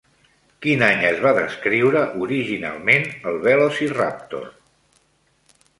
Quin any es va descriure originalment el Velociraptor?